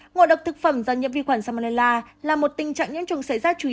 ngộ độc thực phẩm do nhiễm vi khuẩn salmonella là một tình trạng nhân trùng xảy ra